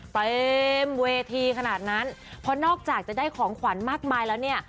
เต็มเวทีขนาดนั้นเพราะนอกจากจะได้ของขวัญมากมายแล้วเนี่ย